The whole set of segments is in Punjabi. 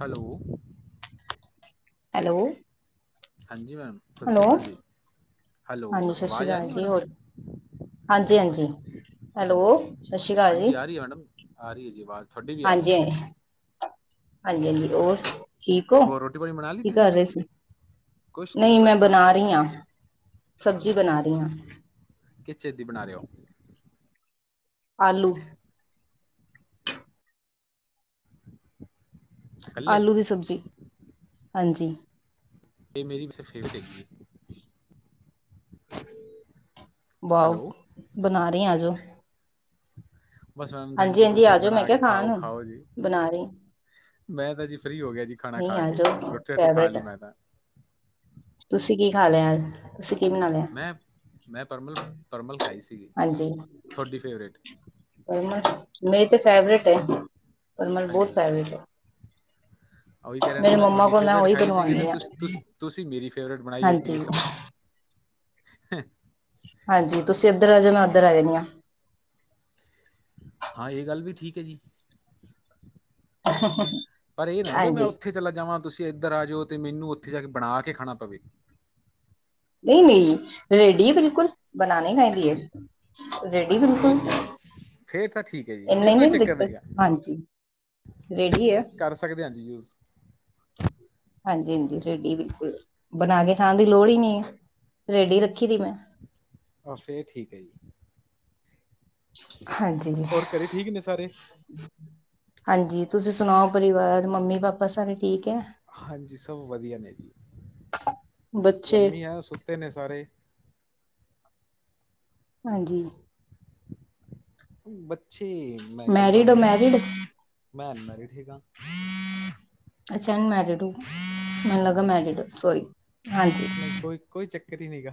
Hello, hello. ਹਾਂਜੀ ਮੈਡਮ, ਸਤਿ ਸ਼੍ਰੀ ਹੈਲੋ ਅਕਾਲ ਜੀ, ਹੈਲੋ ਹਾਂਜੀ ਸਤਿ ਸ਼੍ਰੀ ਆਵਾਜ਼ ਆ ਅਕਾਲ ਰਹੀ ਹੈ ਜੀ ਮੈਡਮ। ਹੋਰ ਹਾਂਜੀ- ਹਾਂਜੀ। ਹੈਲੋ ਹਾਂਜੀ, ਸਤਿ ਸ਼੍ਰੀ ਅਕਾਲ ਹਾਂਜੀ ਜੀ। ਆ ਰਹੀ ਹੈ ਮੈਡਮ। ਆ ਰਹੀ ਹੈ ਜੀ ਆਵਾਜ਼ ਤੁਹਾਡੀ ਵੀ ਆ ਰਹੀ ਹਾਂਜੀ- ਹੈ। ਜੀ। ਹਾਂਜੀ। ਹਾਂਜੀ- ਹਾਂਜੀ ਹੋਰ ਠੀਕ ਹੋ? ਹੋਰ ਰੋਟੀ ਪਾਣੀ ਬਣਾ ਲਈ ਕੀ ਕਰ ਤੁਸੀਂ? ਰਹੇ ਸੀ। ਕੁਛ ਨੀ ਬਸ ਨਹੀਂ ਮੈਂ ਬੈਠਾ। ਬਣਾ ਰਹੀ ਹਾਂ। ਸਬਜ਼ੀ ਅੱਛਾ, ਬਣਾ ਰਹੀ ਹਾਂ। ਕਿਸ ਚੀਜ ਦੀ ਬਣਾ ਰਹੇ ਹੋ। ਆਲੂ। [inaudible] ਕੱਲੇ ਆਲੂ ਦੀ ਸਬਜ਼ੀ, ਹਾਂਜੀ। ਇਹ ਮੇਰੀ ਵੀੇ ਫੇਵਰੇਟ ਹੈਗੀ ਹੈ। ਵਾਓ ਹੈਲੋ, ਬਣਾ ਰਹੀ ਆ। ਆ ਜਾਓ। ਬਸ ਮੈਡਮ ਥੈਂਕ ਹਾਂਜੀ ਯੂ, ਹਾਂਜੀ ਤੁਸੀਂ ਆ ਜਾਓ ਮੈਂ ਬਣਾ ਕੇ ਕਿਹਾ ਖਾਓ- ਖਾਣ ਖਾਓ ਜੀ। ਬਣਾ ਰਹੀ ਮੈਂ ਤਾਂ ਜੀ ਫਰੀ ਹੋ ਗਿਆ ਜੀ ਖਾਣਾ ਨਹੀਂ ਖਾ ਆ ਕੇ, ਜਾਓ ਰੋਟੀ- ਰੋਟੀ ਖਾ ਫੇਵਰੇਟ ਲਈ ਮੈਂ ਤਾਂ ਤੁਸੀਂ ਕੀ ਖਾ ਲਿਆ, ਤੁਸੀਂ ਕੀ ਬਣਾ ਲਿਆ ਮੈਂ ਮੈਂ ਪਰਮਲ, ਪਰਮਲ ਖਾਈ ਸੀਗੀ ਹਾਂਜੀ ਤੁਹਾਡੀ ਫੇਵਰਟ ਪਰਮਲ ਮੇਰੀ ਤੇ ਫੈਵਰੇਟ ਹੈ, ਪਰਮਲ ਬਹੁਤ ਹਾਂਜੀ। ਖਾਏ ਹੈ ਉਹੀ ਕਹਿ ਰਹੇ ਨੇ ਮੇਰੀ ਮੈਂ ਮੰਮਾ ਤੁਹਾਡੀ ਕੋਲ ਫੇਵਰਟ ਉਹੀ ਖਾਈ ਸੀਗੀ ਬਣਵਾਉਂਦੀ ਅਤੇ ਹਾਂ ਤੁਸੀਂ ਤੁਸੀਂ ਤੁਸੀਂ ਮੇਰੀ ਫੇਵਰਟ ਬਣਾਈ ਹੋਈ ਹਾਂਜੀ ਜੀ ਸਬਜ਼ੀ [unintelligible] ਹ [unintelligible] ਹਾਂਜੀ ਤੁਸੀਂ ਇੱਧਰ ਆ ਜਾਣਾ ਮੈਂ ਉੱਧਰ ਆ ਜਾਣਾ ਹਾਂ ਇਹ ਗੱਲ ਵੀ ਠੀਕ ਹੈ ਜੀ ਪਰ ਇਹ ਨਾ ਵੀ ਮੈਂ ਹਾਂਜੀ ਉੱਥੇ ਚਲਾ ਜਾਵਾਂ ਤੁਸੀਂ ਇੱਧਰ ਆ ਜਾਓ ਤੇ ਮੈਨੂੰ ਉੱਥੇ ਜਾ ਕੇ ਬਣਾ ਕੇ ਖਾਣਾ ਪਵੇ ਨਹੀਂ- ਨਹੀਂ ਰੇਡੀ ਹੈ ਬਿਲਕੁਲ, ਬਣਾਉਨੇ ਕਦੀਏ ਅੱਛਾ ਫਿਰ ਠੀਕ ਹੈ, ਫਿਰ ਤਾਂ ਠੀਕ ਹੈ ਜੀ ਫਿਰ ਕੋਈ ਚੱਕਰ ਨਹੀਂਗਾ, ਕਰ ਸਕਦੇ ਹਾਂ ਜੀ ਯੂਜ [inaudible] ਹਾਂਜੀ- ਹਾਂਜੀ ਰੇਡੀ ਬਿਲਕੁਲ, ਬਣਾ ਕੇ ਖਾਣ ਦੀ ਲੋੜ ਹੀ ਨਹੀਂ ਹੈ ਰੇਡੀ ਰੱਖੀ ਦੀ ਮੈਂ ਅੱਛਾ ਇਹ ਠੀਕ ਹੈ ਜੀ ਹਾਂਜੀ ਹੋਰ ਘਰੇ ਠੀਕ ਨੇ ਸਾਰੇ ਹਾਂਜੀ ਤੁਸੀਂ ਸੁਣਾਓ ਪਰਿਵਾਰ ਮੰਮੀ ਪਾਪਾ ਸਾਰੇ ਠੀਕ ਹੈ ਹਾਂਜੀ ਸਭ ਵਧੀਆ ਨੇ ਜੀ, ਬੱਚੇ ਗਰਮੀ ਹੈ ਸੁੱਤੇ ਨੇ ਸਾਰੇ ਹਾਂਜੀ ਬੱਚੇ ਮੈਂ ਇਕੱਲਾ ਮੈਰਿਡ ਹੋ ਹੈਗਾ ਜੀ, ਮੈਰਿਡ ਮੈਂ ਅਨਮੈਰਿਡ ਹੈਗਾ ਅੱਛਾ ਅਨਮੈਰਿਡ ਹੋ ਮੈਨੂੰ ਲਗਾ ਹਾਂਜੀ ਮੈਰਿਡ ਹੋ, ਸੋਰੀ, ਹਾਂਜੀ ਨਹੀਂ ਕੋਈ ਕੋਈ ਚੱਕਰ ਹੀ ਨਹੀਂਗਾ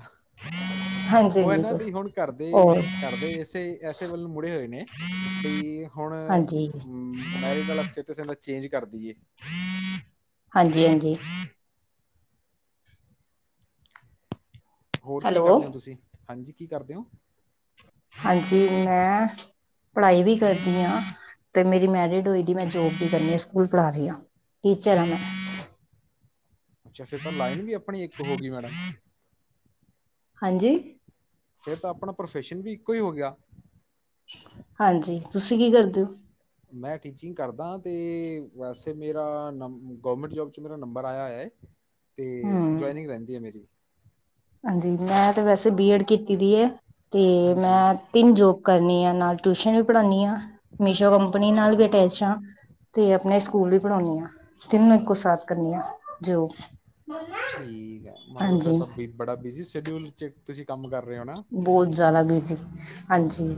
ਹਾਂਜੀ ਉਹ ਹੈ ਹਾਂਜੀ ਨਾ, ਵੀ ਹੁਣ ਘਰਦੇਏ ਔਰ ਘਰਦੇਏ ਇਸੇ ਐਸੇ ਵੱਲ ਮੁੜੇ ਹੋਏ ਨੇ। ਬਈ ਹੁਣ, ਹਾਂਜੀ ਮੈਰਿਡ ਵਾਲਾ ਸਟੇਟਸ ਏਦਾਂ ਚੇਂਜ ਕਰ ਦੇਈਏ। ਹਾਂਜੀ- ਹਾਂਜੀ। ਹੋਰ ਕੀ ਹੈਲੋ ਕਰਦੇ ਹੋ ਤੁਸੀਂ, ਹਾਂਜੀ ਕੀ ਕਰਦੇ ਹੋ? ਹਾਂਜੀ ਮੈਂ ਪੜ੍ਹਾਈ ਵੀ ਕਰਦੀ ਹਾਂ। ਤੇ ਮੇਰੀ ਮੈਰਿਡ ਹੋਈ ਦੀ ਮੈਂ ਜੋਬ ਵੀ ਕਰਦੀ ਆਂ, ਸਕੂਲ ਪੜਾ ਰਹੀ ਆ। ਟੀਚਰ ਐ ਮੈੰ ਅੱਛਾ ਫਿਰ ਤਾਂ ਲਾਈਨ ਵੀ ਆਪਣੀ ਇੱਕ ਹੋ ਗਈ ਮੈਡਮ ਹਾਂਜੀ ਫਿਰ ਤਾਂ ਆਪਣਾ ਪ੍ਰੋਫੈਸ਼ਨ ਵੀ ਇੱਕੋ ਹੀ ਹੋ ਗਿਆ ਹਾਂਜੀ, ਤੁਸੀਂ ਕੀ ਕਰਦੇ ਹੋ ਮੈਂ ਟੀਚਿੰਗ ਕਰਦਾਂ ਤੇ ਵੈਸੇ ਮੇਰਾ ਨ ਗੌਰਮੈਂਟ ਜੋਬ 'ਚ ਮੇਰਾ ਨੰਬਰ ਆਇਆ ਹੈ ਹੈ [unintelligible] ਤੇ ਹਮ ਜੁਆਇਨਿੰਗ ਰਹਿੰਦੀ ਹੈ ਮੇਰੀ ਹਾਂਜੀ ਮੈਂ ਤੇ ਵੈਸੇ ਬੀਐਡ ਕੀਤੀ ਦੀ ਹੈ, ਤੇ ਹਾਂਜੀ, ਮੈਂ ਤਿੰਨ ਜੋਬ ਕਰਨੀ ਆ ਨਾਲ ਟਿਊਸ਼ਨ ਵੀ ਪੜਾਉਂਦੀ ਹਾਂ, ਮੀਸ਼ੋ ਕੰਪਨੀ ਨਾਲ ਅੱਛਾ ਵੀ ਅਟੈਚ ਹਾਂ ਤੇ ਆਪਣੇ ਸਕੂਲ ਵੀ ਪੜ੍ਹਾਉਂਣੀ ਆਂ, ਤਿੰਨੋ ਇੱਕੋ ਸਾਥ ਕਰਨੀ ਆ ਜੋਬਸ, ਠੀਕ ਹੈ। ਮਤਲਬ ਫਿਰ ਹਾਂਜੀ ਤਾਂ ਬ ਬੜਾ ਬਿਜ਼ੀ ਸ਼ਡਿਊਲ 'ਚ ਤੁਸੀਂ ਕੰਮ ਕਰ ਰਹੇ ਹੋ ਨਾ? ਬਹੁਤ ਜ਼ਿਆਦਾ ਬਿਜ਼ੀ, ਹਾਂਜੀ।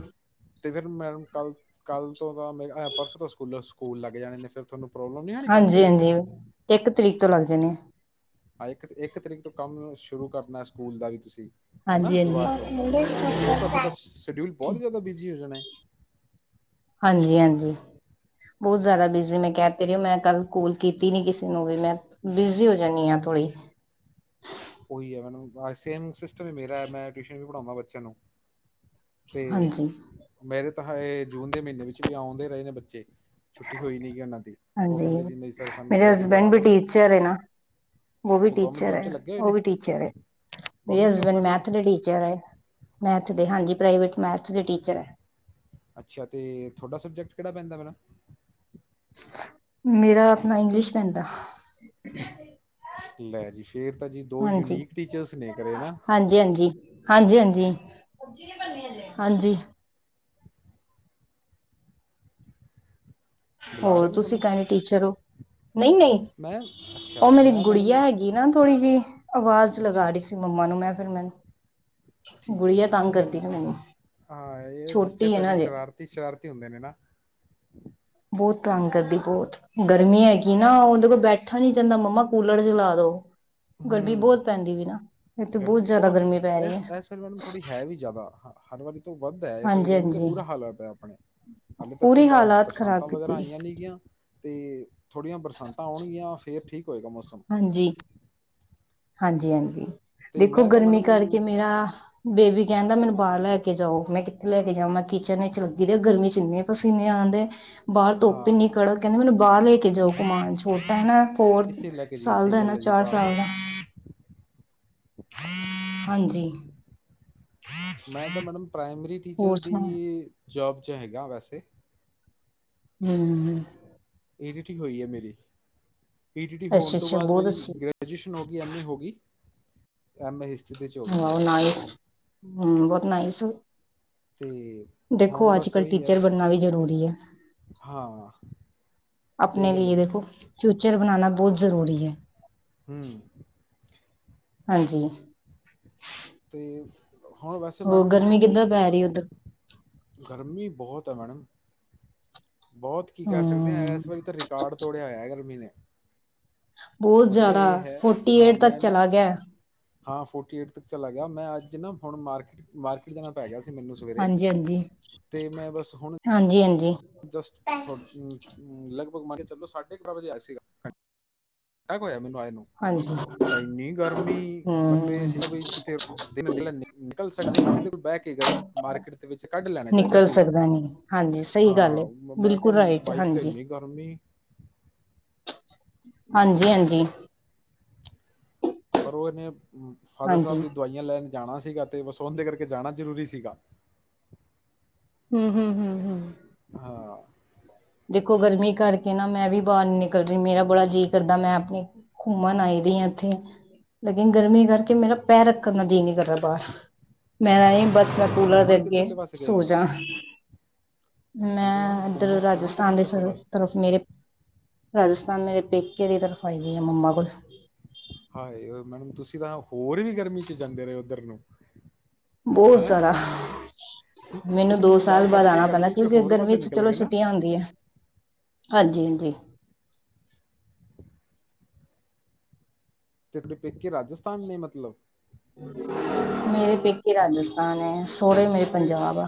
ਤੇ ਫਿਰ ਮੈਡਮ ਕੱਲ੍ਹ, ਕੱਲ੍ਹ ਤੋਂ ਤਾਂ ਮੇਰੇ ਪਰਸੋਂ ਤੋਂ ਸਕੂਲ, ਸਕੂਲ ਲੱਗ ਜਾਣੇ ਨੇ ਫਿਰ ਤੁਹਾਨੂੰ ਪ੍ਰੋਬਲਮ ਨੀ ਹੈ ਹਾਂਜੀ -ਹਾਂਜੀ, ਇੱਕ ਤਰੀਕ ਤੋਂ ਲੱਗ ਜਾਣੇ ਆ। ਹਾਂ, ਇੱਕ, ਇੱਕ ਤਰੀਕ ਤੋਂ ਕੰਮ ਸ਼ੁਰੂ ਕਰਨਾ ਸਕੂਲ ਦਾ ਵੀ ਤੁਸੀਂ ਹੈਨਾ ਹਾਂਜੀ ਹਾਂਜੀ ਦੁਬਾਰ ਤੋਂ, ਫਿਰ ਤਾਂ ਤੁਹਾਡਾ ਸ਼ਡਿਊਲ ਬਹੁਤ ਜ਼ਿਆਦਾ ਬਿਜ਼ੀ ਹੋ ਜਾਣਾਏ। ਹਾਂਜੀ ਹਾਂਜੀ। ਬਹੁਤ ਜ਼ਿਆਦਾ ਬਿਜ਼ੀ। ਮੈਂ ਕਹਿ ਤੇ ਰਹੀ ਹੋ ਮੈਂ ਕੱਲ ਕੋਲ ਕੀਤੀ ਨੀ ਕਿਸੇ ਨੂੰ ਵੀ ਮੈਂ। ਬਿਸ਼ੀ ਹੋ ਜਾਂਣੀ ਆ ਥੋੜ੍ਹੀ। ਉਹੀ ਹੈ ਮੈਨ ਸੇਮ ਸਿਸਟਮ ਹੀ ਮੇਰਾ ਐ ਮੈਂ ਟਿਊਸ਼ਨ ਵੀ ਪੜਾਉਂਦਾ ਬੱਚਿਆਂ ਨੂੰ। ਤੇ ਹਾਂਜੀ ਮੇਰੇ ਤਾਂ ਇਹ ਜੂਨ ਦੇ ਮਹੀਨੇ ਵਿੱਚ ਵੀ ਆਉਂਦੇ ਰਹੇ ਨੇ ਬੱਚੇ। ਛੁੱਟੀ ਹੋਈ ਨਹੀਂ ਗ ਉਹਨਾਂ ਦੀ ਉਹ ਹਾਂਜੀ ਕਹਿੰਦੇ ਜੀ ਨਹੀਂ ਸਰ ਸਾਨੂੰ ਮੇਰੇ ਤਿਆਰੀ ਕਰਵਾ ਹਸਬੈਂਡ ਵੀ ਦੋ। ਟੀਚਰ ਹੈ ਨਾ ਉਹ ਵੀ ਅੱਛਾ ਗੌਰਮੈਂਟ ਟੀਚਰ ਜੋਬ ਹੈ ਚ ਲੱਗੇ ਹੋਏ ਉਹ ਨੇ। ਵੀ ਮੇਰੇ ਗਵਰਨਮੈਂਟ ਜੌਬ ਹਸਬੈਂਡ ਕਰ ਰਹੇ ਨੇ ਮੈਥ ਦੇ ਟੀਚਰ ਹੈ। ਮੈਥ ਦੇ। ਹਾਂਜੀ ਪ੍ਰਾਈਵੇਟ ਮੈਥ ਦੇ ਟੀਚਰ ਹੈ। ਅੱਛਾ ਅਤੇ ਤੁਹਾਡਾ ਸਬਜੈਕਟ ਕਿਹੜਾ ਪੈਂਦਾ ਮੈਡਮ। ਮੇਰਾ ਆਪਣਾ ਇੰਗਲਿਸ਼ ਪੈਂਦਾ। ਲੈ ਜੀ ਫੇਰ ਤਾਂ ਜੀ ਦੋ ਹਾਂਜੀ ਯੂਨੀਕ ਟੀਚਰਸ ਨੇ ਘਰੇ ਹਨਾ। ਹਾਂਜੀ। ਹਾਂਜੀ ਹਾਂਜੀ ਹਾਂਜੀ। ਬੁਲਾ ਹੋਰ ਰਹੇ ਨੇ ਤੁਸੀਂ ਤੁਹਾਨੂੰ ਕਹਿਣੇ ਟੀਚਰ ਹੋ ਨਹੀਂ ਨਹੀਂ। ਮੈਂ ਉਹ ਅੱਛਾ ਮੇਰੀ ਮੈਂ ਗੁੜੀਆ ਮੈਡਮ ਹੈਗੀ ਨਾ ਥੋੜੀ ਜਿਹੀ ਆਵਾਜ਼ ਲਗਾ ਅੱਛਾ ਰਹੀ ਸੀ। ਮੰਮਾ ਨੂੰ ਮੈਂ ਫਿਰ ਮੈਨੂੰ। ਠੀਕ ਗੁੜੀਆ ਹੈ। ਤੰਗ ਕਰਦੀ ਨਹ ਨਾ ਮੈਨੂੰ ਹਾਂ ਇਹ ਬੱਚੇ ਛੋਟੀ ਹੈ ਤਾਂ ਨਾ ਜੀ ਹਜੇ ਸ਼ਰਾਰਤੀ ਸ਼ਰਾਰਤੀ ਹੁੰਦੇ ਨੇ ਨਾ। ਬਹੁਤ ਤੰਗ ਕਰਦੀ ਹ ਬਹੁਤ। ਗਰਮੀ ਹੈਗੀ ਨਾ ਉਹਦੇ ਕੋਲ ਬੈਠਾ ਨੀ ਜਾਂਦਾ ਮੰਮਾ ਕੂਲਰ ਚਲਾ ਦੋ। ਗਰਮੀ ਬਹੁਤ ਪੈਂਦੀ ਵੀ ਨਾ ਇੱਥੇ ਹਮਅਅ ਗਰਮੀ ਜ਼ਿਆਦਾ ਬਹੁਤ ਇ ਗਰਮੀ ਪੈ ਰਹੀ ਹੈ ਇਸ ਇਸ ਵਾਰੀ ਮੈਮ ਥੋੜ੍ਹੀ ਹੈ ਵੀ ਜ਼ਿਆਦਾ ਹਾਂ। ਹਰ ਵਾਰੀ ਤੋਂ ਵੱਧ ਹੈ। ਇਸ ਵਾਰੀ ਹਾਂਜੀ ਗਰਮੀ ਦਾ ਹਾਂਜੀ ਬੁਰਾ ਹਾਲ ਹੋ ਪਿਆ ਆਪਣੇ। ਹਾਲੇ ਤਕ ਕੋਈ ਪੂਰੀ ਬਾਰਸ਼ ਹਾਲਾਤ ਬਰਸਾਂਤਾਂ ਖ਼ਰਾਬ ਵਗੈਰਾ ਕੀਤੀ ਆਈਆਂ ਨਹੀ ਗੀਆਂ। ਤੇ ਥੋੜੀਆਂ ਬਰਸਾਤਾਂ ਆਉਣਗੀਆਂ ਫਿਰ ਠੀਕ ਹੋਏਗਾ ਮੌਸਮ। ਹਾਂਜੀ। ਹਾਂਜੀ ਹਾਂਜੀ ਤੇ ਦੇਖੋ ਮੈਂ ਤਾਂ ਗਰਮੀ ਮੈਡਮ ਕਰਕੇ ਮੇਰਾ। ਬੇਬੀ ਕਹਿੰਦਾ ਮੈਨੂੰ ਬਾਹਰ ਲੈ ਕੇ ਜਾਓ ਮੈਂ ਕਿੱਥੇ ਲੈ ਕੇ ਜਾਓ ਮੈਂ ਕਿਚਨ ਚ ਲੱਗੀ ਰ ਗਰਮੀ ਚ ਇੰਨੇ। ਪਸੀਨੇ ਆਉਂਦੇ ਬਾਹਰ ਹਾਂ ਧੁੱਪੀਨੀ ਕੜਕ ਕਹਿੰਦੇ ਮੈਨੂੰ ਬਾਹਰ ਲੈ ਕੇ ਜਾਓ ਕਮਾਨ ਛੋਟਾ ਹਨਾ। ਹੋਰ ਕਿੱਥੇ ਲੈ ਕੇ ਜੀ ਸਾਲ ਦਾ ਸਹੀ ਹੈ ਨਾ ਗੱਲ ਜੀ ਚਾਰ ਸਾਲ ਬਾਹਰ ਦਾ। ਹਾਂਜੀ। ਮੈਂ ਤਾਂ ਮੈਡਮ ਪ੍ਰਾਇਮਰੀ ਹੋਰ ਟੀਚਰਸ ਦੀ ਸੁਣਾਓ ਜੋੌਬ ਜੋ ਹੈਗਾ ਵੈਸੇ। ਹਮ ਹਮ। ਈ ਡ ਟੀ ਹੋਈ ਹੈ ਮੇਰੀ ਈ ਡ ਟੀ ਹੋਣ ਅੱਛਾ ਤੋਂ ਅੱਛਾ ਬਾਅਦ ਬਹੁਤ ਮੇਰੀ ਅੱਛੀ ਗ੍ਰਿ ਪਜੀਸ਼ਨ ਹੋਗੀ ਅਮੇ ਗੀ। [unintelligible] ਐਮ ਏ ਹਿਸਟਰੀ ਦੇ [unintelligible] ਬ ਨਾਈਸ ਹ ਬਹੁਤ ਨਾਈਸ। [unintelligible] ਤੇ ਹੈ। ਦੇਖੋ ਹੁਣ ਅੱਜ ਕਲ੍ਹ ਟੀਚਰ ਬਣਨਾ ਵੀ ਜ਼ਰੂਰੀ ਹੈ। ਹਾਂਆਾਾਾਾਾਾਾਾ। ਆਪਣੇ ਲਈ ਦੇਖੋ ਫਿਊਚਰ ਬਣਾਣਾ ਬਹੁਤ ਜ਼ਰੂਰੀ ਹੈ। ਹਮਮਮ। ਹਾਂਜੀ। ਤੇ ਹੁਣ ਵੈਸੇ ਹੋਰ ਮੈਡਮ ਗਰਮੀ ਕਿੱਦਾਂ ਪੈ ਰਹੀ ਉੱਧਰ ਗਰਮੀ ਬਹੁਤ ਹੈ ਮੈਡਮ। ਬਹੁਤ ਕੀ ਕਹਿ ਸਕਦੇ ਹਾਂ ਹਮ ਇਸ ਵਾਰੀ ਤਾਂ ਰਿਕਾਰਡ ਤੋੜਿਆ ਹੋਇਆ ਗਰਮੀ ਨੇ। ਬਹੁਤ ਮਤਲਬ ਜ਼ਿਆਦਾ ਇਹ ਹੈ ਫੋਰਟੀ ਹਾਂ ਏਟ ਤੱਕ ਮੈਂ ਨਾ। ਚਲਾ ਗਿਆ ਹਾਂ ਫੋਰਟੀ ਏਟ ਤੱਕ ਚਲਾ ਗਿਆ ਮੈਂ ਅੱਜ ਨਾ ਹੁਣ ਮਾਰਕੀਟ ਮਾਰਕੀ। ਜਾਣਾ ਪੈ ਗਿਆ ਸੀ ਮੈਨੂੰ ਸਵੇਰੇ। ਹਾਂਜੀ ਹਾਂਜੀ ਤੇ ਮੈਂ ਬਸ ਹੁਣ ਹਾਂਜੀ ਹਾਂਜੀ ਜਸਟ ਤੁ ਹਮ, ਲਗ-ਭਗ ਮੰਨ ਕੇ ਚਲੋ, ਸਾਢੇ ਬਾਰਾਂ ਵਜੇ ਆਇਆ ਸੀਗਾ। ਏ ਕੀ ਹੋਇਆ ਮੈਨੂੰ ਆਏ, ਨੂੰ ਹਾਂਜੀ ਇੰਨੀ ਗਰਮੀ, ਮਤਲਬ ਇਹ ਹਮ ਸੀ ਨਾ ਬ ਕਿਥੇ ਦਿਨ, ਨ ਨਿਕਲ ਸਕਦੇ, ਕਿਸੇ ਦਿਨ ਬਹਿ ਕੇ ਮਾਰਕੀਟ ਤੇ ਵਿੱਚ, ਕੱਢ ਲੈਣਾ ਚਾਹੀਦਾ ਨਿਕਲ ਸੀਗਾ। ਸਕਦਾ ਨਹੀਂ ਹਾਂਜੀ ਸਹੀ ਗੱਲ ਹੈ ਹਾਂ ਮੈਂ ਕਿਹਾ ਬਿਲਕੁਲ ਰਾਈਟ ਬਾਈਕ ਤੇ ਹਾਂਜੀ ਇਨੀ ਗਰਮੀ, ਹਾਂਜੀ- ਹਾਂਜੀ ਪਰ ਉਹਨੇ, ਫਾਦਰ ਸਾਹਿਬ ਹਾਂਜੀ ਦੀ ਦਵਾਈਆਂ ਲੈਣ ਜਾਣਾ ਸੀਗਾ, ਤੇ ਵਸਾਤੇ ਕਰਕੇ ਜਾਣਾ ਜ਼ਰੂਰੀ ਸੀਗਾ। ਹਮ, ਹਮ, ਹਮ, ਹਮ। ਹਾਂ ਦੇਖੋ, ਗਰਮੀ ਕਰਕੇ ਨਾ ਮੈਂ ਵੀ ਬਾਹਰ ਨੀ ਨਿਕਲ ਰਹੀ, ਮੇਰਾ ਬੜਾ ਜੀਅ ਕਰਦਾ ਮੈਂ, ਆਪਣੀ ਘੁੰਮਣ ਆਈ ਦੀ, ਆ ਇੱਥੇ ਲੇਕਿਨ, ਗਰਮੀ ਕਰਕੇ ਮੇਰਾ ਪੈਰ ਰੱਖਣ ਦਾ ਜੀਅ, ਨੀ ਕਰ ਮੈਂ ਆਈ ਆ, ਬੱਸ ਘੁੰਮਣ ਕੂਲਰ ਦੇ ਘੁੰਮਣ ਅੱਗੇ ਕਿੱਧਰਲੇ ਪਾਸੇ ਗਏ ਸੌ ਹੋਏ ਹੋ ਜਾਾ ਹਾਂਜੀ ਮੈਡਮ ਮੈਂ ਇੱਧਰ, ਘੁੰਮ ਘੁੰਮਣ ਰਾਜਸਥ ਕਿੱਧਰ ਕਸੇ ਗਏ ਹੋ? ਤਰਫ ਮੇਰੇ, ਰਾਜਸਥਾਨ ਮੇਰੇ ਪੇਕੇ ਨੇ, ਤਰਫ ਆਈ ਆ ਮੰਮਾ ਕੋਲ ਹਾਏ, ਮੈਡਮ ਤੁਸੀਂ ਤਾਂ ਹੋਰ ਵੀ ਗਰਮੀ ਚ, ਜਾਂਦੇ ਰਹੇ ਉੱਧਰ ਨੂੰ? ਬਹੁਤ, ਹਨਾ ਜ਼ਦਾ ਮੈਨੂੰ ਤੁਸੀਂ ਤਾਂ ਦੋ ਪੰਜਾਬ ਸਾਲ ਬਾਅਦ, ਛੱਡ ਕੇ ਆਉਣਾ ਪੈਂਦਾ ਗਰਮੀ 'ਚ ਕਿਉਂਕਿ, ਹੋਰ ਵੱਧ ਗਰਮੀ ਚ ਨਿਕਲ ਚਲੋ ਗਏ ਨਾ ਛੁੱਟੀਆਂ ਹੁੰਦੀਆ ਹਾਂਜੀ- ਹਾਂਜੀ ਤੇ ਪੈਕੇ, ਰਾਜਸਥਾਨ ਨੇ ਮਤਲਬ ਮੇਰੇ ਪੇਕੇ, ਰਾਜਸਥਾਨ ਹੈ, ਸੋਹੁਰੇ ਮੇਰੇ, ਤੇ ਪੰਜਾਬ ਆ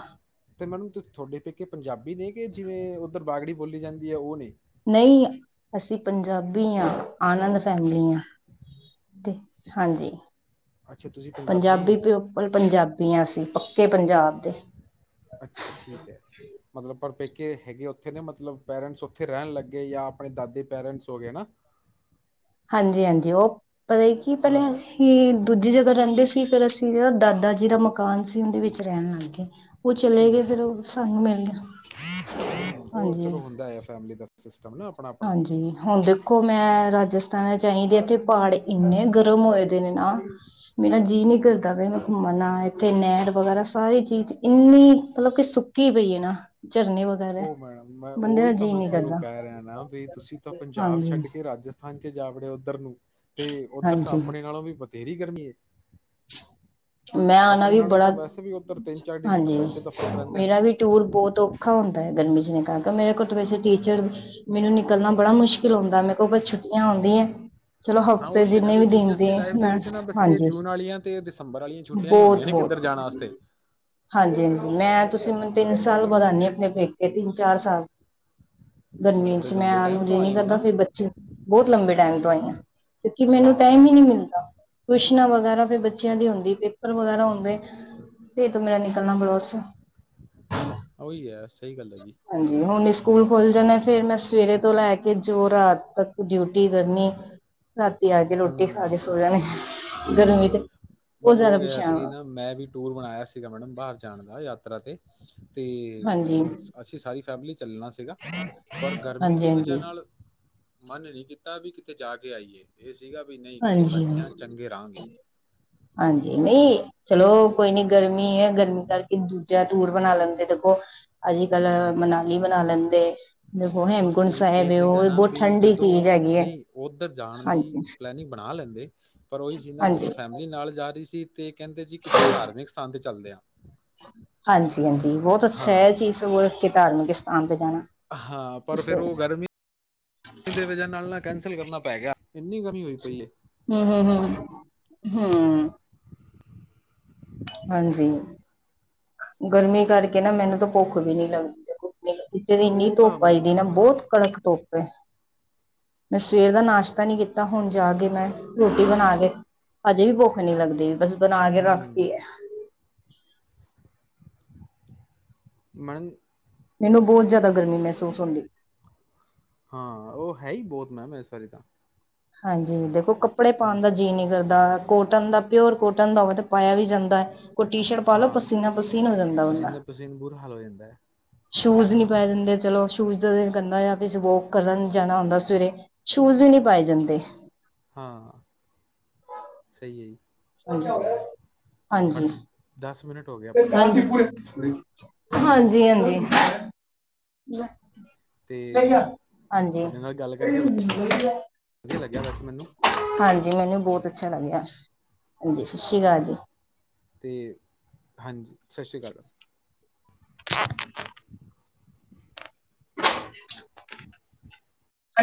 ਤੇ ਮੈਨੂੰ ਤੁਹਾਡੇ ਪੇਕੇ, ਪੰਜਾਬੀ ਨੇ ਕਿ, ਜਿਵੇਂ ਉੱਧਰ ਬਾਗੜੀ ਬੋਲੀ, ਜਾਂਦੀ ਹੈ ਉਹ ਨੇ ਨਹੀਂ, ਅਸੀਂ ਪੰਜਾਬੀ ਹਾਂ, ਆਨੰਦ ਫੈਮਲੀ ਹਾ। ਤੇ, ਹਾਂਜੀ। ਅੱਛਾ ਤੁਸੀਂ ਪੰਜਾਬੀ, ਹੋ ਦੇ ਉਪਰ ਪੰਜਾਬੀੀ ਆਂ ਅਸੀ ਪੱਕੇ ਪੰਜਾਬ ਦੇ? ਅੱਛਾ, ਠੀਕ ਐ ਮਤਲਬ, ਪਰਪੇਕੇ ਹੈਗੇ, ਉੱਥੇ ਨੇ ਮਤਲਬ ਪੇਰੈਂਟਸ ਉੱਥੇ ਰਹਿਣ ਲੱਗੇ, ਜਾਂ ਆਪਣੇ ਦਾਦੇ ਪੇਰੈਂਟਸ ਹੋ ਗਏ। ਹਾਂਜੀ- ਹਾਂਜੀ ਉਹ ਪਤਾ ਹੀ ਕੀ ਪਹਿਲੇ, ਹਾਂ ਅਸੀਂ ਦੂਜੀ ਜਗ੍ਹਾ ਰਹਿੰਦੇ ਸੀ। ਫਿਰ ਅਸੀਂ ਨਾ ਦਾਦਾ ਜੀ ਦਾ ਮੁ ਕਾਨ ਸਿੰਘ, ਦੇ ਵਿੱਚ ਰਹਿਣ ਲੱਗ ਗਏ। ਕੁਛ ਲੈ ਗਏ, ਠੀਕ ਫੇਿਰ ਹੈ ਉਹ ਸਾਨੂੰ ਮਿਲਣ ਗੇ ਦਇਆ ਫਰਮ ਦੀ ਸਿਸਟਮ ਨਾ ਆਪਣਾ-ਆਪਣਾ। ਹਾਂਜੀ, ਹੁਣ ਦੇ। ਦੇਖੋ, ਮੈਂ ਰਾਜਸਥਾਨ ਚ ਆਹੀਦੀ, ਇੱਥੇ ਪਹਾੜ ਇੰਨੇ ਗਰਮ ਹੋਏ ਦੇ ਨੇ, ਨਾ ਮੇਰਾ ਜੀਅ, ਨਈ ਕਰਦਾ ਮੈਂ ਘੁੰਮਣਾ, ਇੱਥੇ ਨਹਿਰ ਵਗੈਰਾ ਸਾਰੀ ਚੀਜ਼, ਇੰਨੀ ਮਤਲਬ ਕਿ ਕੀ, ਬਈਏ ਨਾ ਝਰਨੇ ਵਗੈਰਾ ਉਹ ਮੈਡਮ, ਮੈਂ ਬੰਦੇ ਦਾ ਉਹੀ ਤਾਂ ਜੀਅ ਮੈਂ, ਨੀ ਤੁਹਾਨੂੰ ਕਰਦਾ ਕਹਿ ਕਹਿ ਰਿਹਾ ਨਾ ਬ ਤੁਸੀਂ, ਤਾਂ ਪੰਜਾਬ ਛੱਡ ਕੇ ਹਾਂਜੀ-ਹਾਂਜੀ ਰਾਜਸਥਾਨ ਚ, ਜਾ ਬੜੇ ਉੱਧਰ ਨੂੰ ਤੇ ਉੱਧਰ ਤਾਂ, ਆਪਣੇ ਨਾਲੋਂ ਵੀ ਬਥੇਰੀ, ਗਰਮੀ ਮੈਂ ਆਣਾ ਆਪਣੇ ਵੀ ਨਾਲੋਂ ਤਾਂ, ਬੜਾ ਵੈਸੇ ਵੀ ਉੱਧਰ ਤਿੰਨ- ਚਾਰ ਡਿਗਰੀ ਹਾਂਜੀ ਟੈਂਪਰੇਚਰ, ਦਾ ਫ਼ਰਕ ਰਹਿੰਦਾ ਹੈ ਮੇਰਾ ਵੀ ਟੂਰ ਬਹੁਤ ਔਖਾ ਹੁੰਦਾ, ਗਰਮੀ ਚ ਨੇ ਕਾਰਕੇ ਮੇਰੇ ਕੋਲ ਤਾਂ, ਵੈਸੇ ਟੀਚਰ ਮੈਨੂੰ, ਨਿਕਲਣਾ, ਬੜਾ ਮੁਸ਼ਕਿਲ ਆਉਂਦਾ, ਮੈਂ ਕੋਲ ਛੁੱ? ਮੈਂ ਆਉਂਦੀ ਆਂ, ਚਲੋ ਹਾਂ ਹਫ਼ਤੇ ਉਹੀ ਹੈ ਨਾ ਜਿੰਨੇ ਵੀ ਦਿਨ ਟੀਚਰਸ ਦੀ, ਲਾਈਫ ਦੇ ਮੈਂ ਵਿੱਚ ਨਾ ਬਸ ਇਹ ਹਾਂਜੀ। ਜੂਨ ਵਾਲੀਆਂ ਤੇ ਦਸੰਬਰ, ਵਾਲੀਆਂਆ ਛੁਟੀਆਂ ਹੀ ਹੁੰਦੀਆਂ ਬਹੁਤ ਨੇ ਬਹੁਤ ਕਿੱਧਰ ਜਾਣ ਵਾਸਤੇ। ਹਾਂਜੀ- ਹਾਂਜੀ ਮੈਂ ਤੁਸੀਂ ਮ ਤਿੰਨ ਸਾਲ, ਬਾਅਦ ਆਨੀ ਆ ਆਪਣੇ ਪੇਕੇ ਤਿੰਨ ਚਾਰ, ਸਾਲ। ਅੱਛਾ ਗਰਮੀ ਬੜੇ ਚ ਮੈਂ ਲੰਬੇ ਆਹਨ ਟਾਈਮ ਤੋਂ ਵਾਲੀ ਨਹੀਂੀ, ਆਏ ਹੋ ਕਰਦਾ ਨਾ। ਫੇਿਰ ਬੱਚੇ, ਬਹੁਤ ਲੰਬੇ ਟਾਈਮ ਤੋਂ ਆਈ ਹਾਂ। ਕਿਉਂਕਿ, ਮੈਨੂੰ ਟਾਈਮ ਹੀ ਨੀ ਹਾਂ ਮਿਲਦਾ, ਟਿ- ਊਸ਼ਨਾਂ ਵਗੈਰਾ ਵੀ ਬੱਚੇ ਦੀ ਹੁੰਦੀ ਪੇਪਰ ਵਗੈਰਾ ਹੁੰਦੇ ਫਰ ਤ ਮੇਰਾ ਨਿਕਲਣਾ ਪਲੋਸ ਉਹੀ ਹੈ, ਸਹੀ ਗੱਲ ਹੈ ਜੀ। ਹਾਂਜੀ, ਹੁਣ ਸਕੂਲ ਖੁੱਲ ਜਾਣੇ, ਫਿਰ ਮੈਂ ਸਵੇਰੇ ਤੋਂ ਲੈ ਕੇ ਜੋ ਰਾਤ ਤੱਕ, ਡਿਊਟੀ ਕਰਨੀ। ਰਾਤੀ ਆ ਕੇ, ਰੋਟੀ ਖਾ ਹਮ ਕੇ, ਸੋ ਜਾਣੇ ਗਰਮੀ ਚ ਬ ਬਹੁਤ ਜ਼ਿਆਦਾ ਉਹ ਪਰੇਸ਼ਾਨ ਇਹਤਕੀ ਹਾਂ ਨਾ ਮੈਂ ਵੀ ਟੂਰ ਬਣਾਇਆ ਸੀਗਾ ਮੈਡਮ ਬਾਹਰ ਜਾਣ ਦਾ ਯਾਤਰਾ ਤੇ ਤੇ ਹਾਂਜੀ ਅਸੀਂ ਸਾਰੀ ਫੈਮਿਲੀ ਚੱਲਣਾ ਸੀ। ਸੀਗਾ ਪਰ ਗਰਮੀ ਹਾਂਜੀ ਦੀ ਵਜ੍ਹਾ ਹਾਂਜੀ ਨਾਲ ਮਨ ਨਹੀਂ ਕੀਤਾ ਵੀ ਕਿਥੇ ਜਾ ਕੇ ਆਈਏ। ਇਹ ਸੀਗਾ ਵੀ ਨਹੀਂ ਘਰਰੇ ਹਾਂਜੀ ਬੈਠੇ ਹ ਚੰਗੇ ਰਹਾਂਗੇ। ਹਾਂਜੀ ਨਹੀਂ ਚਲੋ ਕੋਈ ਨੀ ਗਰਮੀ ਹੈ ਗਰਮੀ ਕਰਕੇ ਦੂ ਜਾਂ ਦੂਰ ਬਣਾ ਲੈਂਦੇ ਦੇਖੋ ਅੱਜ ਕੱਲ ਮਨਾਲੀ ਬਣਾ ਲੈਂਦੇ। ਦੇਖੋ ਉਹ ਹੇਮਕੁੰਟ ਇਹ ਸਾਹਿਬ ਇਹ ਹੈ ਉਹ ਸੀਗਾ ਨਾ ਬਹੁਤ ਵੀ ਠੰਡੀ ਜਦੋਂ ਚੀਜ਼ ਹੈਗੀ ਹੈ ਨਹੀਂ ਉਧਰ ਜਾਣ ਦੀ ਹਾਂਜੀ ਪਲੈਨਿੰਗ ਬਣਾ ਲੈਂਦੇ ਪਰ ਉਹੀ ਚੀਜ਼ ਨਾ ਜਦੋਂ ਹਾਂਜੀ ਫੈਮਿਲੀ ਨਾਲ ਜਾ ਰਹੀ ਸੀ ਤੇ ਕਹਿੰਦੇ ਜੀ ਕਿਸੇ ਧਾਰਮਿਕ ਸਥਾਨ ਤੇ ਚੱਲਦੇ ਆ। ਹਾਂਜੀ- ਹਾਂਜੀ ਬਹੁਤ ਅੱਛਾ ਹੈ ਹਾਂ ਇਹ ਚੀਜ਼ ਤੇ ਬਹੁਤ ਅੱਛੇ ਧਾਰਮਿਕ ਸਥਾਨ ਤੇ ਜਾਣਾ ਇਸ ਇਹਦੇ ਵਜਾ ਨਾਲ ਕੈਂਸਲ ਕਰਨਾ ਪੈ ਗਿਆ ਇੰਨੀ ਗਰ ਹੂੰ- ਹੂੰ- ਹੂੰ -ਹੂੰ [inaudible] ਹਾਂਜੀ ਗਰਮੀ ਕਰਕੇ ਨਾ ਮੈਨੂੰ ਤਾਂ ਭੁੱਖ ਵੀ ਨੀ ਲੱਗ ਦੀ ਦੇਖ ਕਿਤੇੇ ਦੀ ਇੰਨੀ ਉਹ ਤਾਂ ਧੁੱਪ ਮਨ ਆਈ ਦੀ ਨਾ ਹਾਂ ਬਹੁਤ ਕੜਕ ਧੁੱਪ ਏ। ਮੈਂ ਸਵੇਰ ਦਾ ਨਾਸ਼ਤਾ ਨੀ ਕੀਤਾ ਹੁਣ ਜਾ ਕੇ ਮੈਂ ਰੋਟੀ ਬਣਾ ਕੇ ਹਜੇ ਵੀ ਭੁੱਖ ਨੀ ਲੱਗਦੀ ਵੀ ਬਸ ਬਣਾ ਕੇ ਰੱਖ ਹਮ ਮੈਡਮ ਮੈਨੂੰ ਬਹੁਤ ਜ਼ਿਆਦਾ ਗਰਮੀ ਮਹਿਸੂਸ ਹੁੰਦੀ। ਹਾਂ ਉਹ ਹੈ ਹੀ ਬਹੁਤ ਮੈਮ ਇਸ ਵਾਰੀ ਤਾਂ ਹਾਂਜੀ ਦੇਖੋ ਕੱਪੜੇ ਪਾਉਣ ਦਾ ਹਾਂਜੀ ਜੀਅ ਨਹੀਂ ਕਰਦਾ ਕੋਟਨ ਦਾ ਪਿਓਰ ਕੋਟਨ ਦਾ ਉਹਵੇ ਤੇ ਪਾਇਆ ਵੀ ਜਾਂਦਾ। ਕੋਈ ਟੀ ਸ਼ਰਟ ਪਾ ਲੋ ਹਾਂ ਪਸੀਨਾ ਪਸੀਨ ਹੋ ਜਾਂਦਾ ਬੰਦਾ ਪਸੀਨੇ ਪਸੀਨ ਬੁਰਾ ਹਾਲ ਹੋ ਜਾਂਦਾ ਹੈ ਸ਼ੂਜ ਨਹੀਂ ਪੈਂਣ ਦਿੰਦੇ ਚਲੋ ਸ਼ੂਜ ਦਾ ਦਿਨ ਦਾ ਵੋਕ ਕਰਨ ਜਾਣਾ ਹੁੰਦਾ ਸਵੇਰੇ ਸ਼ੂਜ਼ ਵੀ ਨਹੀਂ ਪਾਏ ਜਾਂਦੇ। ਹਾਂ ਸਹੀ ਹੈ ਜੀ। ਹਾਂਜੀ- ਹਾਂਜੀ [inaudible] ਮੈਡਮ ਦਸ ਮਿੰਟ ਹੋ ਗਏ ਆਪਣੇ ਹਾਂਜੀ- ਹਾਂਜੀ ਹਾਂਜੀ ਤੇ [inaudible] ਤੁਹਾਡੇ ਨਾਲ ਗੱਲ ਕਰਕੇ ਵਧੀਆ ਲੱਗਿਆ ਵੈਸੇ ਮੈਨੂੰ [inaudible] ਹਾਂਜੀ ਮੈਨੂੰ ਬਹੁਤ ਅੱਛਾ ਲੱਗਿਆ। ਹਾਂਜੀ ਸਤਿ ਸ਼੍ਰੀ ਅਕਾਲ ਜੀ। ਤੇ ਹਾਂਜੀ ਸਤਿ ਸ਼੍ਰੀ ਅਕਾਲ। [inaudible] [inaudible]